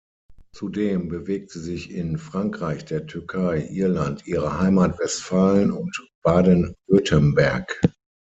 Zudem bewegt sie sich in Frankreich, der Türkei, Irland, ihrer Heimat Westfalen und Baden-Württemberg.